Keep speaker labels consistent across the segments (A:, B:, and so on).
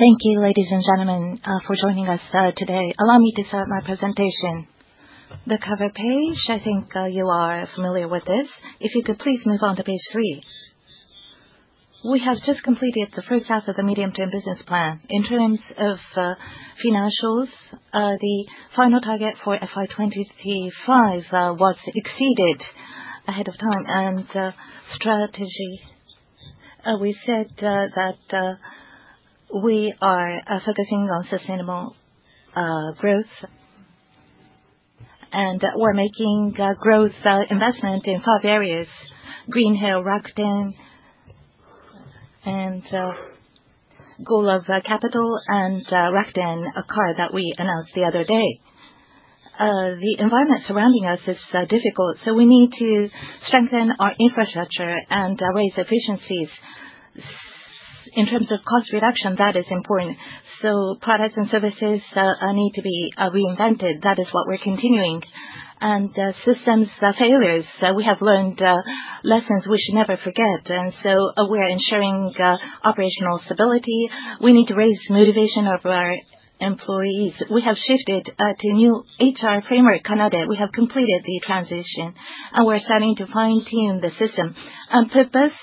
A: Thank you, ladies and gentlemen, for joining us today. Allow me to start my presentation. The cover page, I think you are familiar with this. If you could please move on to page three. We have just completed the first half of the medium-term business plan. In terms of financials, the final target for FY 2025 was exceeded ahead of time. Strategy, we said that we are focusing on sustainable growth, and we're making growth investment in five areas, Greenhill, Rakuten, and Golub Capital and Rakuten Card that we announced the other day. The environment surrounding us is difficult, we need to strengthen our infrastructure and raise efficiencies. In terms of cost reduction, that is important. Products and services need to be reinvented. That is what we're continuing. Systems failures, we have learned lessons we should never forget, we're ensuring operational stability. We need to raise motivation of our employees. We have shifted to a new HR framework, CANADE. We have completed the transition, and we're starting to fine-tune the system. Purpose,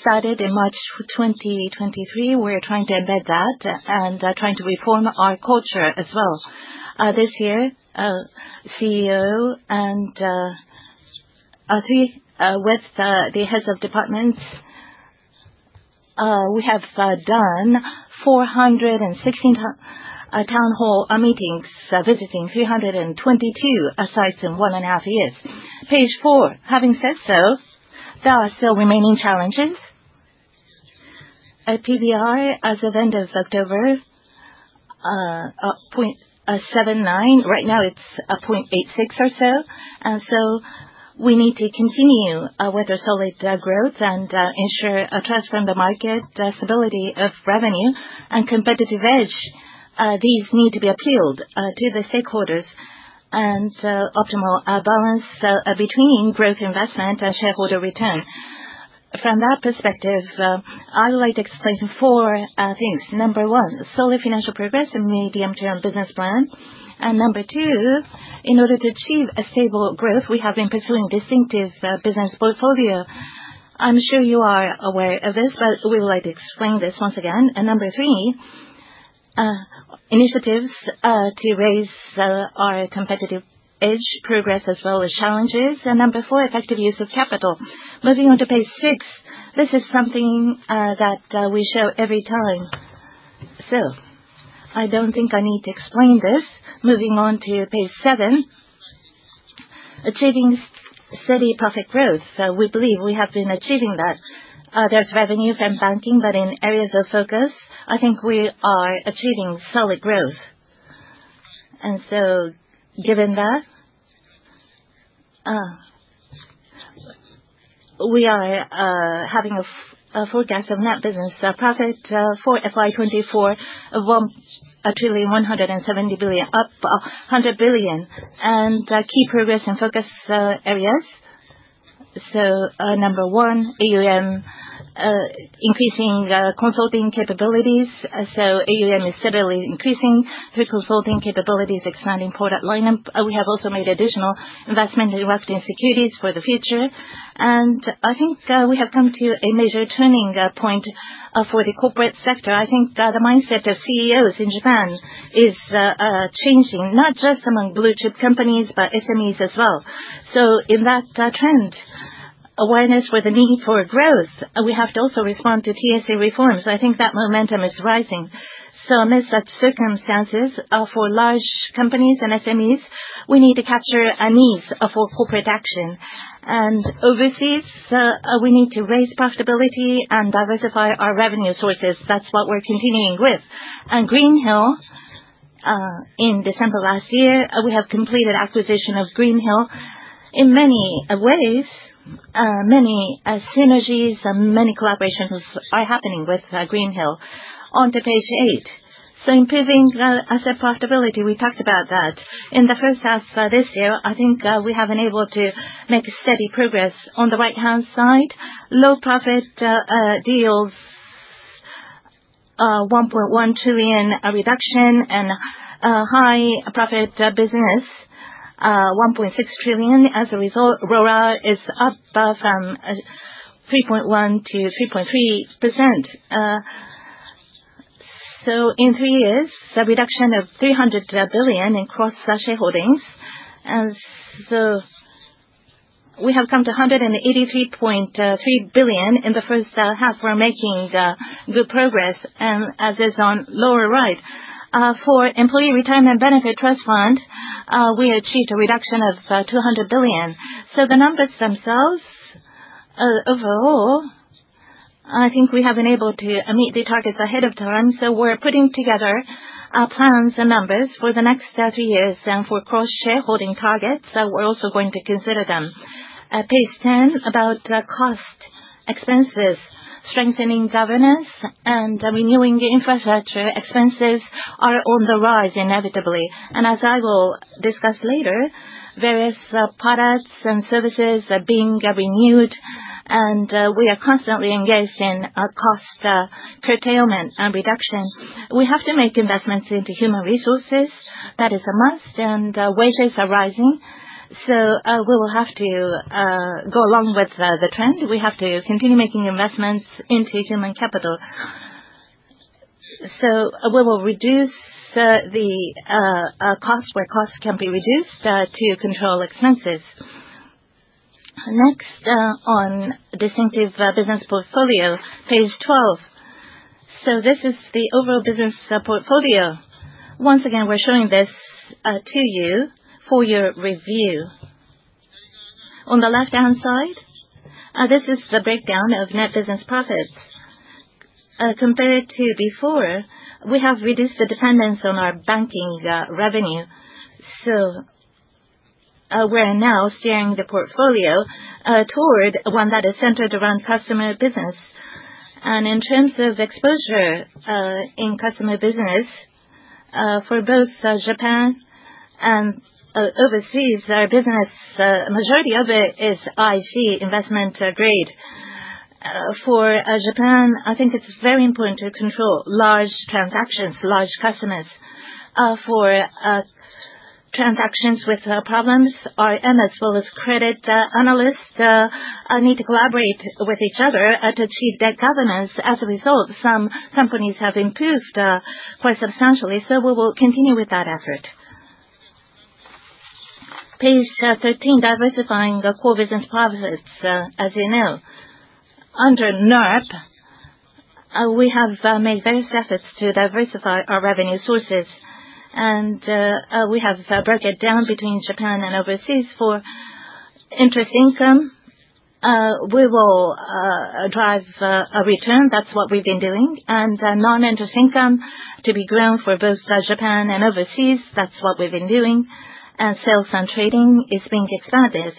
A: started in March 2023. We're trying to embed that, and trying to reform our culture as well. This year, CEO and three with the heads of departments, we have done 416 town hall meetings, visiting 322 sites in one and a half years. Page four. Having said so, there are still remaining challenges. PBR as of end of October, 0.79. Right now it's 0.86 or so. We need to continue with the solid growth and ensure trust from the market, stability of revenue, and competitive edge. These need to be appealed to the stakeholders. Optimal balance between growth investment and shareholder return. From that perspective, I would like to explain four things. Number 1, solid financial progress in the medium-term business plan. Number 2, in order to achieve a stable growth, we have been pursuing distinctive business portfolio. I'm sure you are aware of this, we would like to explain this once again. Number 3, initiatives to raise our competitive edge progress as well as challenges. Number 4, effective use of capital. Moving on to page six. This is something that we show every time, I don't think I need to explain this. Moving on to page seven. Achieving steady profit growth. We believe we have been achieving that. There's revenues and banking, in areas of focus, I think we are achieving solid growth. Given that, we are having a forecast of net business. Profit for FY 2024 of 1.17 trillion, up 100 billion. Key progress and focus areas. Number 1, AUM, increasing consulting capabilities. AUM is steadily increasing through consulting capabilities, expanding product lineup. We have also made additional investment in Rakuten Securities for the future. I think we have come to a major turning point for the corporate sector. I think the mindset of CEOs in Japan is changing, not just among blue-chip companies, but SMEs as well. In that trend, awareness for the need for growth, we have to also respond to TSE reforms. I think that momentum is rising. Amidst that circumstances, for large companies and SMEs, we need to capture a need for corporate action. Overseas, we need to raise profitability and diversify our revenue sources. That's what we're continuing with. Greenhill, in December last year, we have completed acquisition of Greenhill. In many ways, many synergies and many collaborations are happening with Greenhill. On to page eight. Improving asset profitability, we talked about that. In the first half this year, I think we have been able to make steady progress. On the right-hand side, low profit deals, 1.1 trillion reduction, and high profit business, 1.6 trillion. As a result, ROA is up from 3.1%-3.3%. In three years, the reduction of 300 billion in cost shareholdings. We have come to 183.3 billion in the first half. We're making good progress, and as is on lower right. For Employee Retirement Benefit Trust fund, we achieved a reduction of 200 billion. The numbers themselves, overall, I think we have been able to meet the targets ahead of time. We're putting together our plans and numbers for the next three years. For cross-shareholding targets, we're also going to consider them. Page 10, about cost, expenses, strengthening governance, and renewing infrastructure expenses Are on the rise inevitably. As I will discuss later, various products and services are being renewed, and we are constantly engaged in cost curtailment and reduction. We have to make investments into human resources. That is a must, and wages are rising. We will have to go along with the trend. We have to continue making investments into human capital. We will reduce the parts where costs can be reduced to control expenses. Next, on distinctive business portfolio, page 12. This is the overall business portfolio. Once again, we're showing this to you for your review. On the left-hand side, this is the breakdown of net business profits. Compared to before, we have reduced the dependence on our banking revenue. We're now steering the portfolio toward one that is centered around customer business. In terms of exposure in customer business for both Japan and overseas, our business, majority of it is IG, Investment Grade. For Japan, I think it's very important to control large transactions, large customers. For transactions with problems, our MS, well, as credit analysts, need to collaborate with each other to achieve debt governance. As a result, some companies have improved quite substantially. We will continue with that effort. Page 13, diversifying the core business profits. As you know, under NURP, we have made various efforts to diversify our revenue sources. We have broke it down between Japan and overseas. For interest income, we will drive a return. That's what we've been doing, and non-interest income to be grown for both Japan and overseas. That's what we've been doing. Sales and trading is being expanded.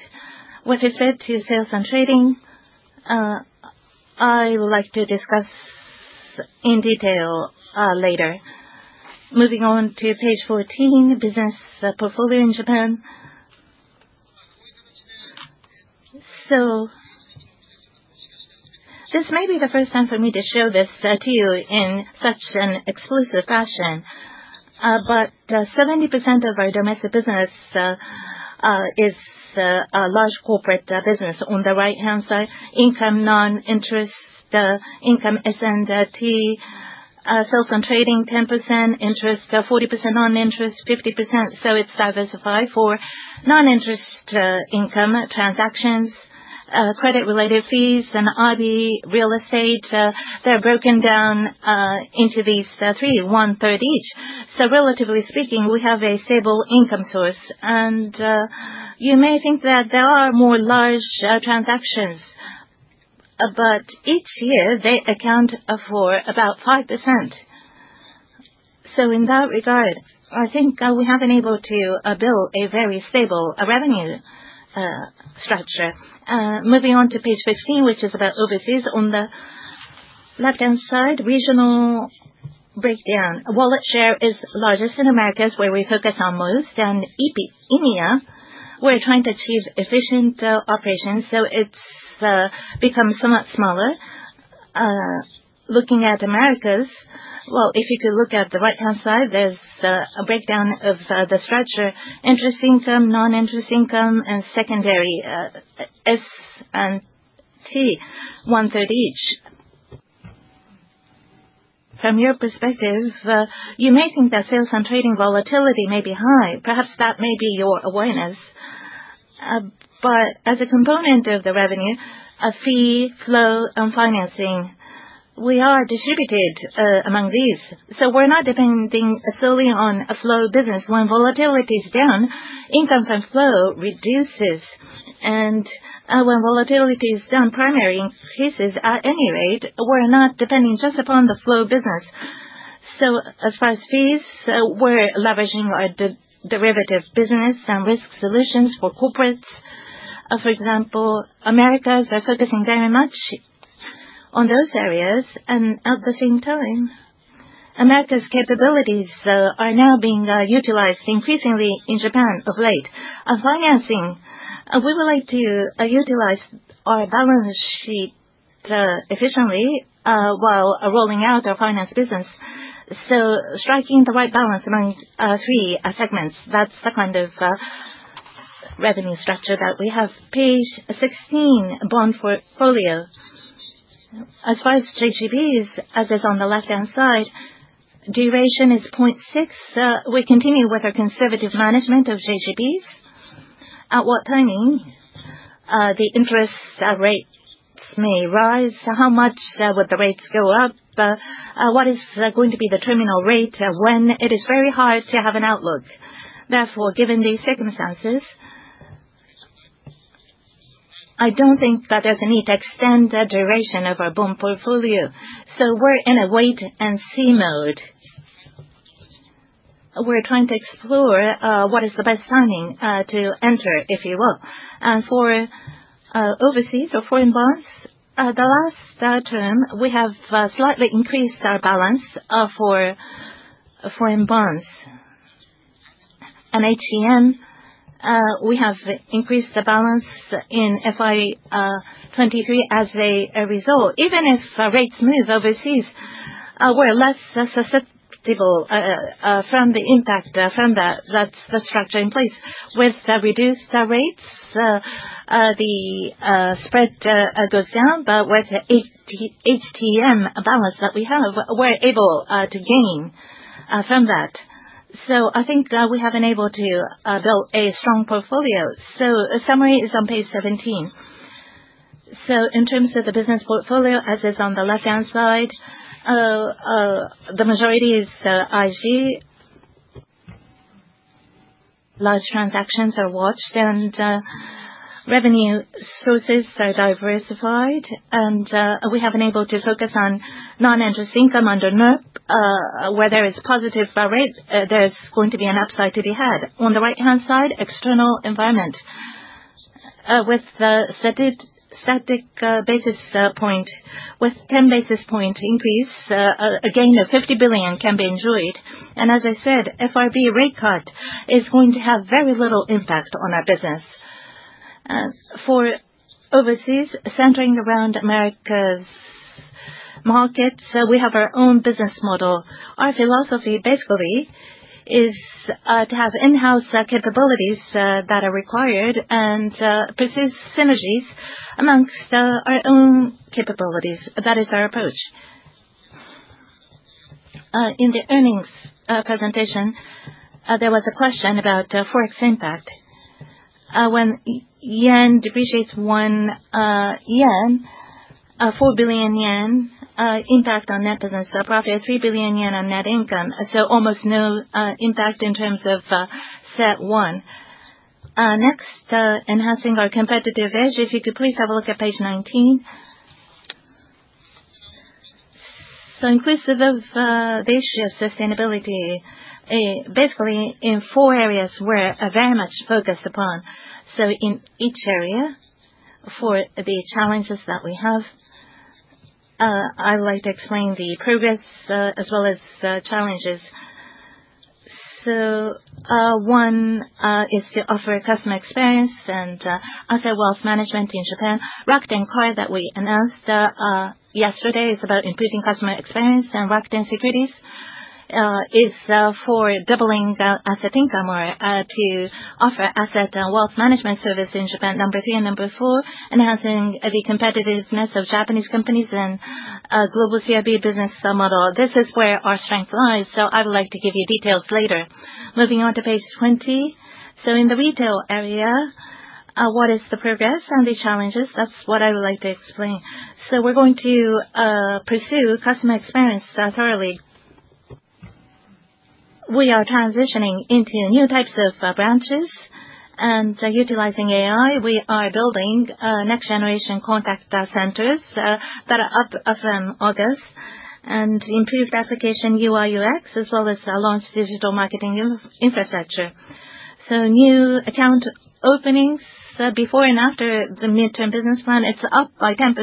A: What is said to sales and trading, I would like to discuss in detail later. Moving on to page 14, business portfolio in Japan. This may be the first time for me to show this to you in such an exclusive fashion. 70% of our domestic business is a large corporate business. On the right-hand side, income, non-interest income, S&T, sales and trading 10%, interest 40%, non-interest 50%. It's diversified for non-interest income transactions, credit related fees, and IB real estate. They're broken down into these three, one-third each. Relatively speaking, we have a stable income source. You may think that there are more large transactions, but each year they account for about 5%. In that regard, I think we have enabled to build a very stable revenue structure. Moving on to page 15, which is about overseas. On the left-hand side, regional breakdown. Wallet share is largest in Americas, where we focus on most. In EMEA, we are trying to achieve efficient operations, it has become somewhat smaller. Looking at Americas, well, if you could look at the right-hand side, there is a breakdown of the structure. Interest income, non-interest income, and secondary, S&T, one-third each. From your perspective, you may think that sales and trading volatility may be high. Perhaps that may be your awareness. As a component of the revenue, fee, flow, and financing, we are distributed among these. We are not depending solely on a flow business. When volatility is down, income from flow reduces. When volatility is down, primary increases. At any rate, we are not depending just upon the flow business. As far as fees, we are leveraging our derivative business and risk solutions for corporates. For example, Americas are focusing very much on those areas, at the same time, Americas' capabilities are now being utilized increasingly in Japan of late. Financing. We would like to utilize our balance sheet efficiently while rolling out our finance business. Striking the right balance among three segments, that is the kind of revenue structure that we have. Page 16, bond portfolio. As far as JGBs, as is on the left-hand side, duration is 0.6. We continue with our conservative management of JGBs. At what timing the interest rates may rise? How much would the rates go up? What is going to be the terminal rate when it is very hard to have an outlook? Therefore, given these circumstances, I do not think that there is a need to extend the duration of our bond portfolio. We are in a wait and see mode. We are trying to explore what is the best timing to enter, if you will. For Overseas or foreign bonds. The last term, we have slightly increased our balance for foreign bonds. HTM, we have increased the balance in FY 2023 as a result. Even if rates move overseas, we are less susceptible from the impact from that. That is the structure in place. With the reduced rates, the spread goes down. But with the HTM balance that we have, we are able to gain from that. I think that we have been able to build a strong portfolio. Summary is on page 17. In terms of the business portfolio, as is on the left-hand side, the majority is IG. Large transactions are watched and revenue sources are diversified, and we have been able to focus on non-interest income under NII. Where there is positive rates, there is going to be an upside to be had. On the right-hand side, external environment. With the static basis point, with 10 basis point increase, a gain of 50 billion can be enjoyed. As I said, FRB rate cut is going to have very little impact on our business. For overseas, centering around Americas markets, we have our own business model. Our philosophy basically is to have in-house capabilities that are required and pursue synergies amongst our own capabilities. That is our approach. In the earnings presentation, there was a question about forex impact. When yen depreciates 1 yen, 4 billion yen impact on net business. Profit 3 billion yen on net income, almost no impact in terms of CET1. Next, enhancing our competitive edge, if you could please have a look at page 19. Inclusive of the issue of sustainability, basically in four areas we're very much focused upon. In each area for the challenges that we have, I would like to explain the progress, as well as the challenges. One is to offer customer experience and asset wealth management in Japan. Rakuten Card that we announced yesterday is about improving customer experience, and Rakuten Securities is for doubling the asset income or to offer asset wealth management service in Japan. Number three and number four, enhancing the competitiveness of Japanese companies and global CIB business model. This is where our strength lies, I would like to give you details later. Moving on to page 20. In the retail area, what is the progress and the challenges? That's what I would like to explain. We're going to pursue customer experience thoroughly. We are transitioning into new types of branches and utilizing AI. We are building next generation contact centers that are up as from August, and improved application UI/UX as well as launch digital marketing infrastructure. New account openings before and after the mid-term business plan is up by 10%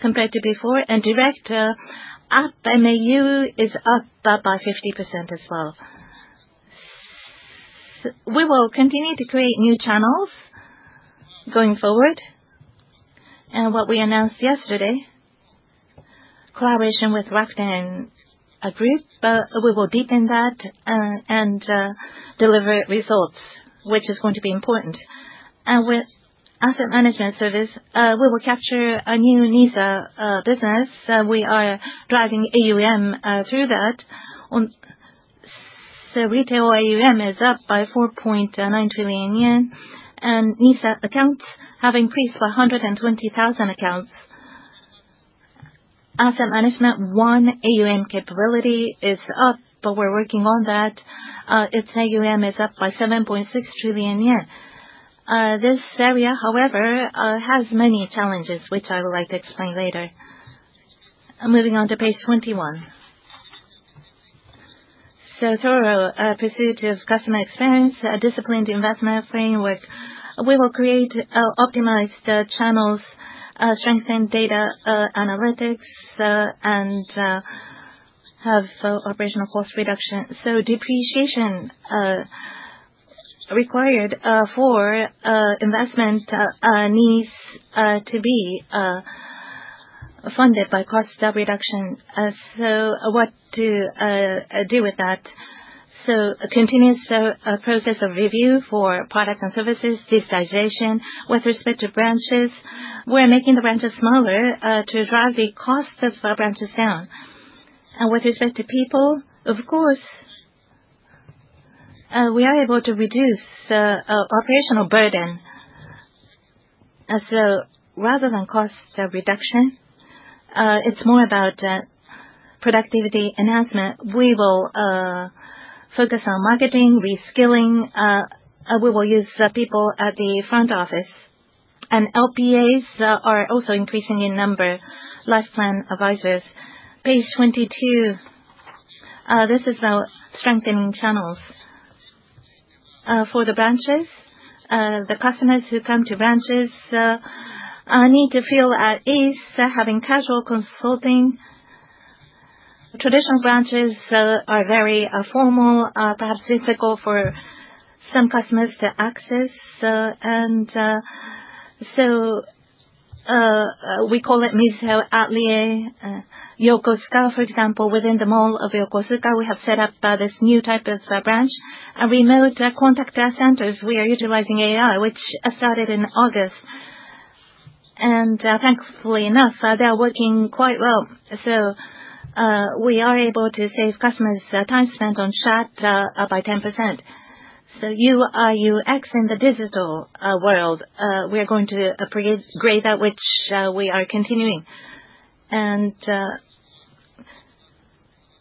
A: compared to before, and direct up MAU is up by 50% as well. We will continue to create new channels going forward. What we announced yesterday, collaboration with Rakuten Group, we will deepen that, and deliver results, which is going to be important. With asset management service, we will capture a new NISA business. We are driving AUM through that. Retail AUM is up by 4.9 trillion yen, and NISA accounts have increased by 120,000 accounts. Asset management, one AUM capability is up, but we're working on that. Its AUM is up by 7.6 trillion yen. This area, however, has many challenges, which I would like to explain later. Moving on to page 21. Thorough pursuit of customer experience, disciplined investment framework. We will create optimized channels, strengthen data analytics, and have operational cost reduction. Depreciation required for investment needs to be funded by cost reduction. What to do with that? Continuous process of review for products and services, digitization. With respect to branches, we're making the branches smaller, to drive the cost of branches down. With respect to people, of course, we are able to reduce operational burden. Rather than cost reduction, it's more about productivity enhancement. We will focus on marketing, reskilling. We will use people at the front office. LPAs are also increasing in number, Life Plan Advisors. Page 22. This is our strengthening channels. For the branches, the customers who come to branches need to feel at ease having casual consulting. Traditional branches are very formal, perhaps difficult for some customers to access, and we call it Mizuho Atelier. Yokosuka, for example, within the mall of Yokosuka, we have set up this new type of branch. Remote contact centers, we are utilizing AI, which started in August. Thankfully enough, they are working quite well. We are able to save customers time spent on chat by 10%. UI/UX in the digital world, we are going to appraise the grade at which we are continuing.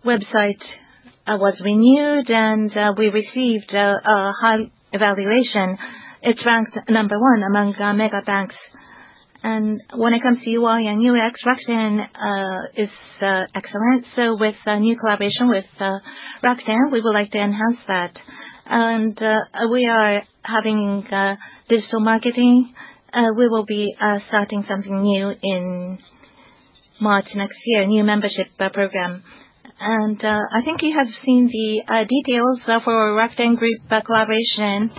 A: Website was renewed, and we received a high evaluation. It ranked number one among mega banks. When it comes to UI and UX, Rakuten is excellent. With a new collaboration with Rakuten, we would like to enhance that. We are having digital marketing. We will be starting something new in March next year, a new membership program. I think you have seen the details for Rakuten Group collaboration,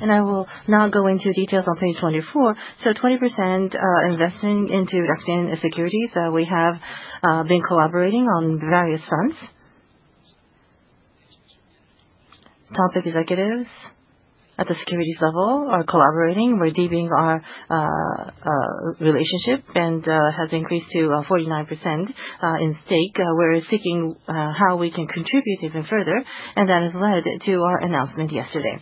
A: and I will now go into details on page 24. 20% investing into Rakuten Securities. We have been collaborating on various fronts. Top executives at the securities level are collaborating. We're deepening our relationship, and has increased to 49% in stake. We're seeking how we can contribute even further, and that has led to our announcement yesterday.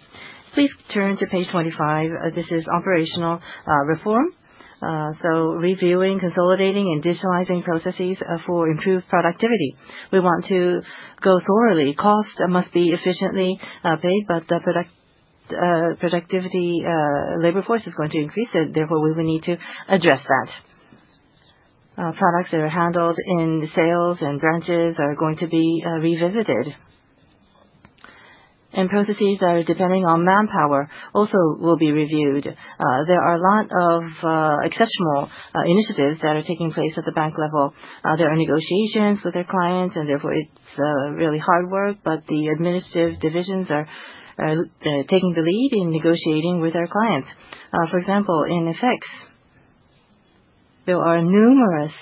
A: Please turn to page 25. This is operational reform. Reviewing, consolidating, and digitalizing processes for improved productivity. We want to go thoroughly. Cost must be efficiently paid, but productivity labor force is going to increase, therefore, we will need to address that. Products that are handled in sales and branches are going to be revisited. Processes that are depending on manpower also will be reviewed. There are a lot of exceptional initiatives that are taking place at the bank level. There are negotiations with our clients, and therefore it's really hard work, but the administrative divisions are taking the lead in negotiating with our clients. For example, in FX, there are numerous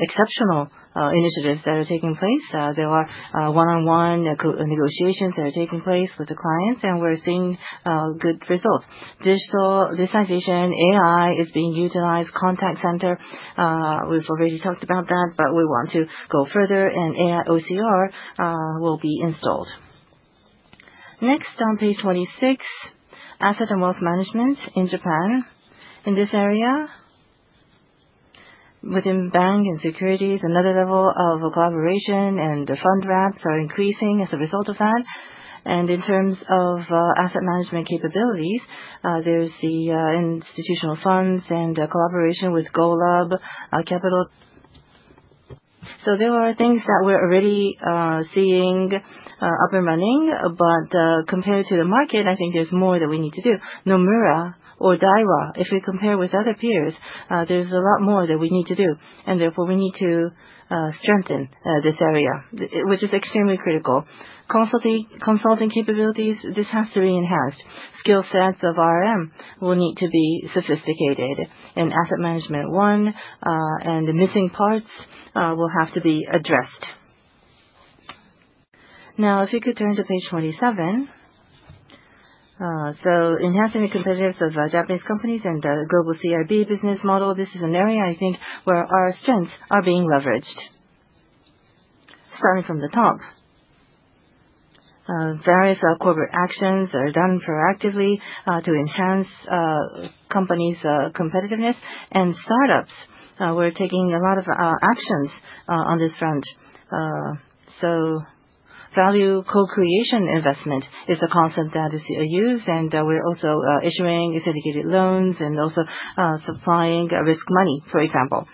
A: exceptional initiatives that are taking place. There are one-on-one negotiations that are taking place with the clients, and we're seeing good results. Digitalization, AI is being utilized. Contact center, we've already talked about that, but we want to go further, and AI OCR will be installed. Next, on page 26, asset and wealth management in Japan. In this area, within bank and securities, another level of collaboration and fund wraps are increasing as a result of that. In terms of asset management capabilities, there's the institutional funds and collaboration with Golub Capital. There are things that we're already seeing up and running, but compared to the market, I think there's more that we need to do. Nomura or Daiwa, if we compare with other peers, there's a lot more that we need to do, and therefore we need to strengthen this area, which is extremely critical. Consulting capabilities, this has to be enhanced. Skill sets of RM will need to be sophisticated, and asset management, one, and the missing parts will have to be addressed. Now, if you could turn to page 27. Enhancing the competitiveness of Japanese companies and global CIB business model, this is an area, I think, where our strengths are being leveraged. Starting from the top. Various corporate actions are done proactively to enhance companies' competitiveness. Startups, we're taking a lot of actions on this front. Value co-creation investment is a concept that is used, and we're also issuing syndicated loans and also supplying risk money, for example.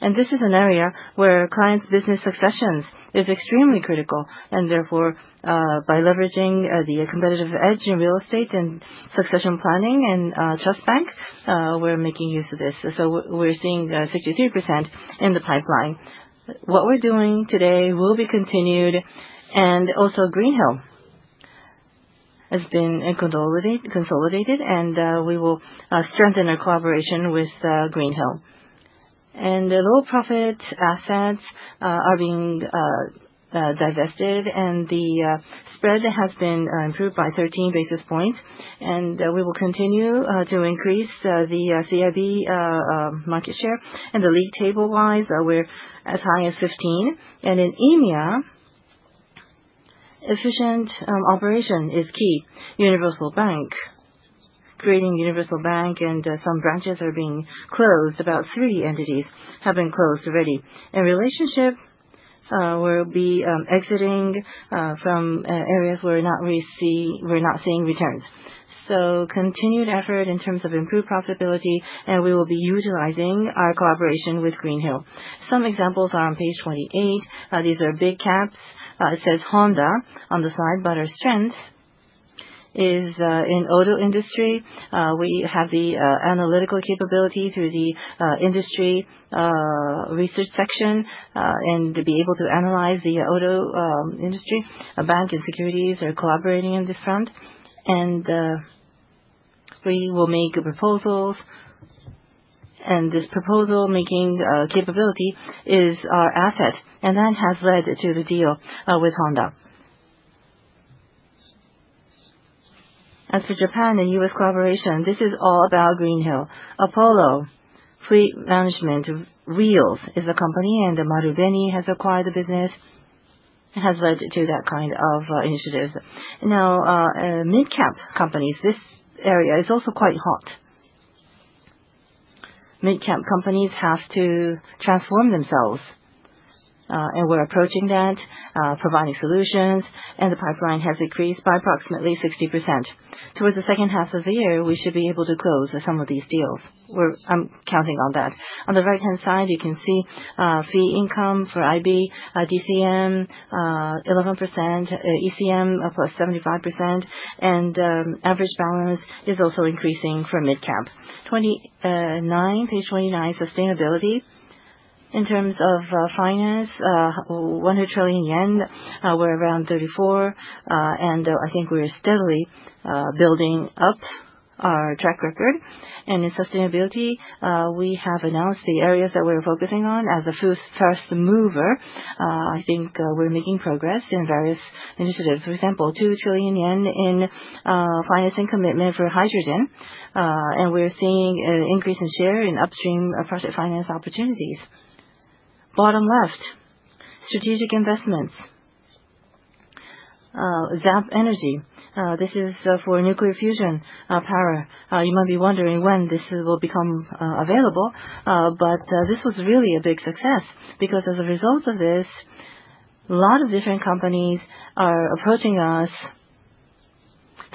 A: This is an area where clients' business successions is extremely critical, and therefore by leveraging the competitive edge in real estate and succession planning and trust bank, we're making use of this. We're seeing 63% in the pipeline. What we're doing today will be continued, and also Greenhill has been consolidated, and we will strengthen our collaboration with Greenhill. Low profit assets are being divested, and the spread has been improved by 13 basis points, and we will continue to increase the CIB market share. The league table-wise, we're as high as 15. In EMEA, efficient operation is key. Universal bank, creating universal bank, and some branches are being closed. About 3 entities have been closed already. In relationship, we will be exiting from areas where we are not seeing returns. Continued effort in terms of improved profitability, and we will be utilizing our cooperation with Greenhill & Co. Some examples are on page 28. These are big caps. It says Honda on the side, but our strength is in auto industry. We have the analytical capability through the industry research section to be able to analyze the auto industry. Bank and securities are collaborating on this front. We will make proposals, and this proposal-making capability is our asset, and that has led to the deal with Honda. As for Japan and U.S. collaboration, this is all about Greenhill & Co. Apollo Global Management, Wheels, Inc. is a company, and Marubeni has acquired the business. It has led to that kind of initiative. Mid-cap companies, this area is also quite hot. Mid-cap companies have to transform themselves, and we are approaching that, providing solutions, and the pipeline has increased by approximately 60%. Towards the second half of the year, we should be able to close some of these deals. I am counting on that. On the right-hand side, you can see fee income for IB, DCM, 11%, ECM, up by 75%, and average balance is also increasing for mid-cap. Page 29, sustainability. In terms of finance, 100 trillion yen, we are around 34, and I think we are steadily building up our track record. In sustainability, we have announced the areas that we are focusing on as a first mover. I think we are making progress in various initiatives. For example, 2 trillion yen in financing commitment for hydrogen. We are seeing an increase in share in upstream project finance opportunities. Bottom left, strategic investments. Zap Energy. This is for nuclear fusion power. You might be wondering when this will become available. This was really a big success because as a result of this, a lot of different companies are approaching us,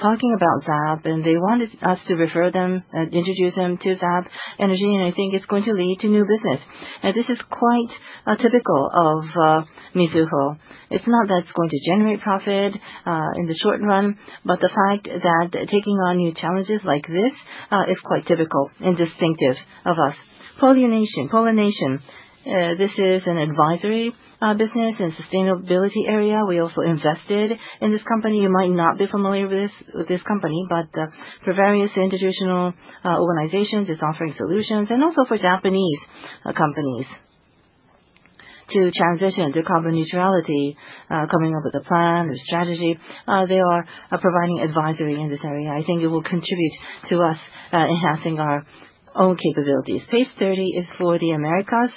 A: talking about Zap, and they wanted us to refer them and introduce them to Zap Energy, and I think it is going to lead to new business. This is quite typical of Mizuho. It is not that it is going to generate profit in the short run, but the fact that taking on new challenges like this is quite typical and distinctive of us. Pollination. This is an advisory business and sustainability area. We also invested in this company. You might not be familiar with this company, but for various institutional organizations, it is offering solutions and also for Japanese companies to transition to carbon neutrality, coming up with a plan, a strategy. They are providing advisory in this area. I think it will contribute to us enhancing our own capabilities. Page 30 is for the Americas.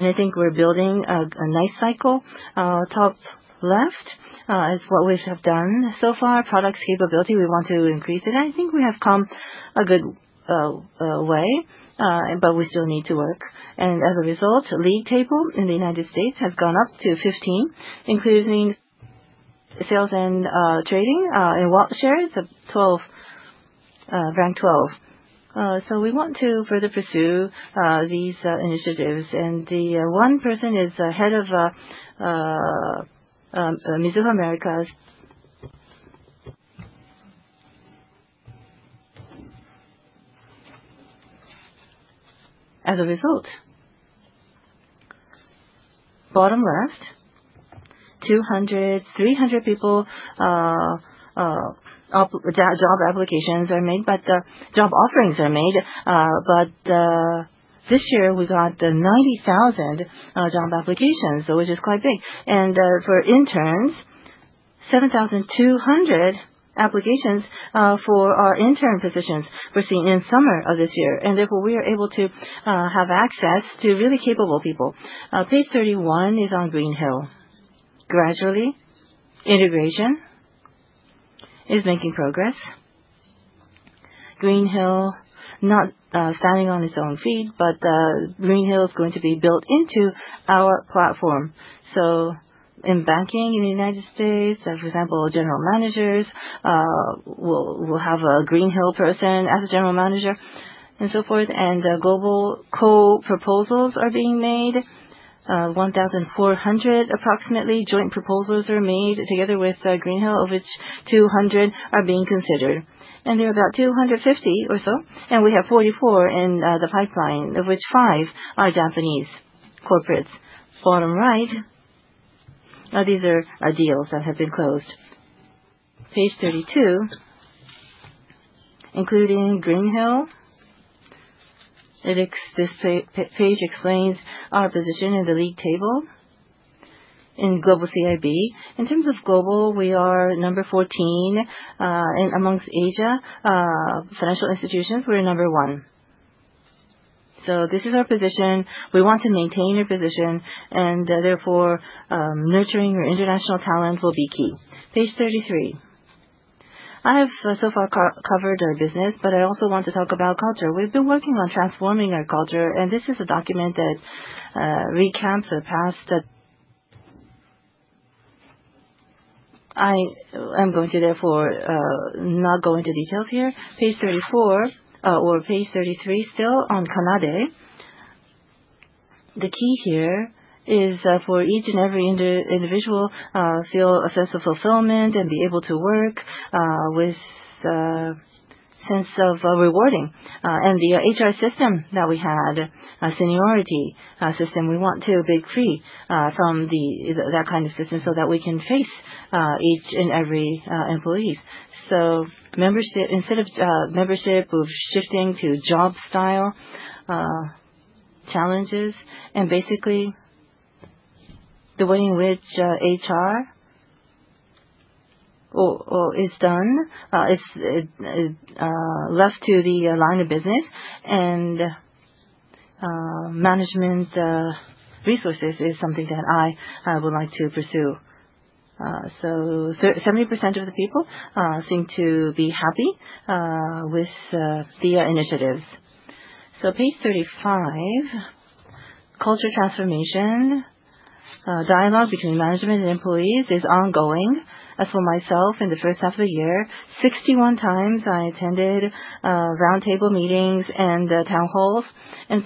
A: I think we are building a nice cycle. Top left is what we have done so far. Products capability, we want to increase it. I think we have come a good way, but we still need to work. As a result, league table in the United States has gone up to 15, including sales and trading, and wallet share is rank 12. We want to further pursue these initiatives. The one person is head of Mizuho Americas. As a result, bottom left, 300 people, job offerings are made. This year, we got 90,000 job applications, which is quite big. For interns, 7,200 applications for our intern positions were seen in summer of this year. Therefore, we are able to have access to really capable people. Page 31 is on Greenhill. Gradually, integration is making progress. Greenhill, not standing on its own feet, Greenhill is going to be built into our platform. In banking in the U.S., for example, general managers will have a Greenhill person as a general manager and so forth. Global co-proposals are being made. 1,400 approximately joint proposals are made together with Greenhill, of which 200 are being considered. There are about 250 or so, we have 44 in the pipeline, of which five are Japanese corporates. Bottom right, these are deals that have been closed. Page 32, including Greenhill. This page explains our position in the league table in Global CIB. In terms of global, we are number 14. Amongst Asia financial institutions, we're number one. This is our position. We want to maintain a position. Therefore, nurturing our international talent will be key. Page 33. I have so far covered our business. I also want to talk about culture. We've been working on transforming our culture. This is a document that recaps the past. I am going to therefore not go into details here. Page 34 or page 33, still on CANADE. The key here is for each and every individual feel a sense of fulfillment and be able to work with a sense of rewarding. The HR system that we had, a seniority system, we want to break free from that kind of system so that we can face each and every employee. Instead of membership, we're shifting to job style challenges. Basically the way in which HR is done, is left to the line of business. Management resources is something that I would like to pursue. 70% of the people seem to be happy with the initiatives. Page 35, culture transformation. Dialogue between management and employees is ongoing. As for myself, in the first half of the year, 61 times I attended roundtable meetings and town halls.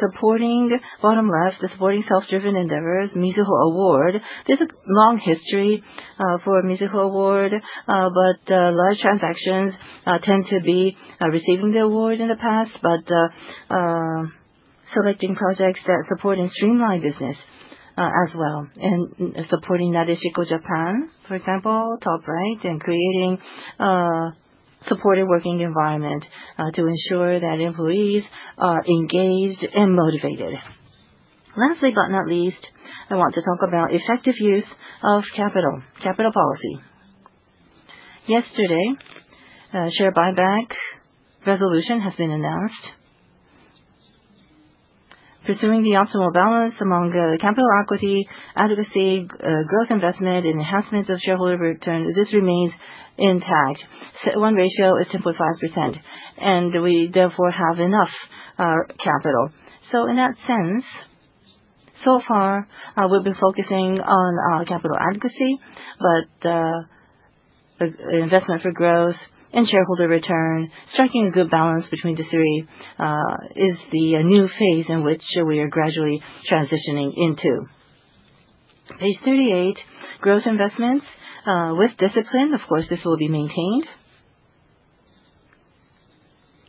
A: Supporting bottom left, the supporting self-driven endeavors, Mizuho Award. There's a long history for Mizuho Award. Large transactions tend to be receiving the award in the past. Selecting projects that support and streamline business as well. Supporting Nadeshiko Japan, for example, top right. Creating a supportive working environment to ensure that employees are engaged and motivated. Lastly, not least, I want to talk about effective use of capital policy. Yesterday, share buyback resolution has been announced. Pursuing the optimal balance among capital equity, adequacy, growth investment, enhancements of shareholder return, this remains intact. One ratio is 25%. We therefore have enough capital. In that sense, so far, we've been focusing on capital adequacy. The investment for growth and shareholder return, striking a good balance between the three, is the new phase in which we are gradually transitioning into. Page 38, growth investments with discipline. Of course, this will be maintained.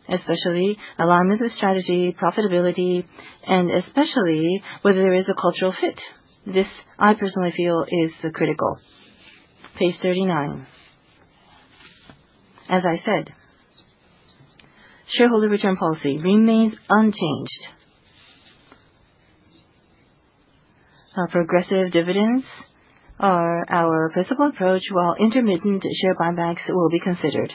A: Especially alignment with strategy, profitability. Especially whether there is a cultural fit. This, I personally feel, is critical. Page 39. As I said, shareholder return policy remains unchanged. Progressive dividends are our principal approach, while intermittent share buybacks will be considered.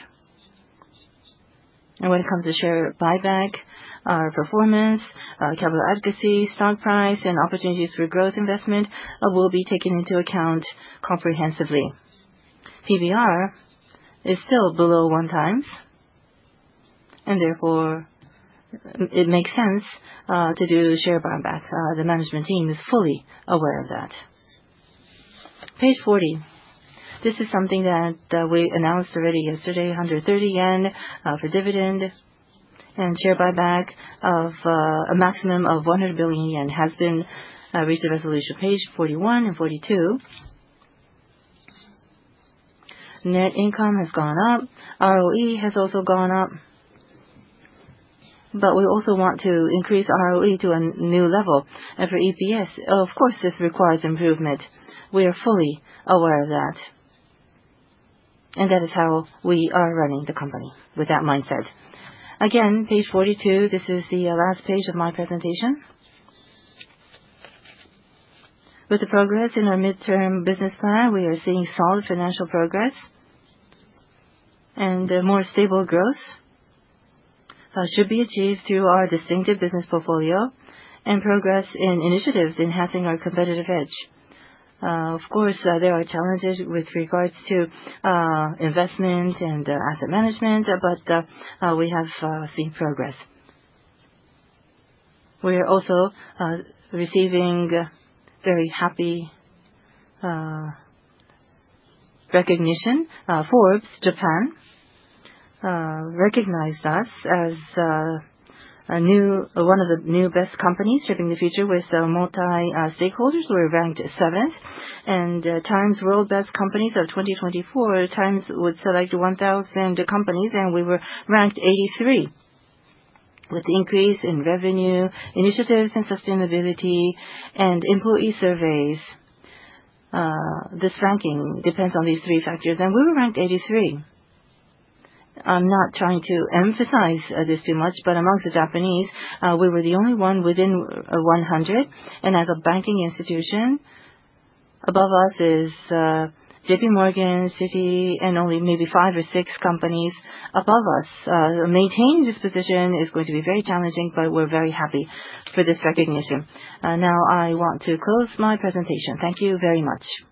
A: When it comes to share buyback, our performance, capital adequacy, stock price, and opportunities for growth investment will be taken into account comprehensively. PBR is still below 1x, therefore it makes sense to do share buyback. The management team is fully aware of that. Page 40. This is something that we announced already yesterday, 130 yen of a dividend and share buyback of a maximum of 100 billion yen has been reached a resolution. Page 41 and 42. Net income has gone up. ROE has also gone up. We also want to increase ROE to a new level. For EPS, of course, this requires improvement. We are fully aware of that, and that is how we are running the company with that mindset. Again, page 42, this is the last page of my presentation. With the progress in our midterm business plan, we are seeing solid financial progress, more stable growth should be achieved through our distinctive business portfolio and progress in initiatives enhancing our competitive edge. Of course, there are challenges with regards to investment and asset management, but we have seen progress. We are also receiving very happy recognition. Forbes Japan recognized us as one of the new best companies shaping the future with multi-stakeholders. We're ranked seventh. Time World's Best Companies of 2024, Time would select 1,000 companies, we were ranked 83. With the increase in revenue, initiatives, and sustainability and employee surveys. This ranking depends on these three factors, we were ranked 83. I'm not trying to emphasize this too much, amongst the Japanese, we were the only one within 100. As a banking institution, above us is JP Morgan, Citi, and only maybe five or six companies above us. Maintaining this position is going to be very challenging, we're very happy for this recognition. Now I want to close my presentation. Thank you very much.